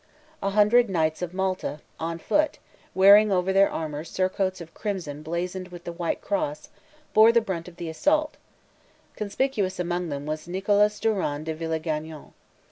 A hundred Knights of Malta, on foot, wearing over their armor surcoats of crimson blazoned with the white cross, bore the brunt of the assault. Conspicuous among them was Nicolas Durand de Villegagnon.